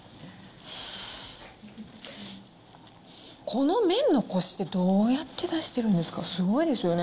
この麺のコシってどうやって出してるんですか、すごいですよね。